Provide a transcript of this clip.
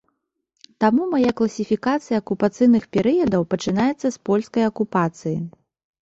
Таму мая класіфікацыя акупацыйных перыядаў пачынаецца з польскай акупацыі.